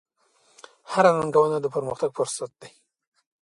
هره ننګونه د پرمختګ فرصت دی.